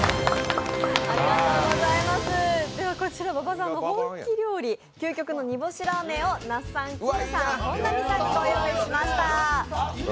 こちら馬場さんの本気料理、究極の煮干しラーメンを那須さん、きむさん、本並さんにご用意しました。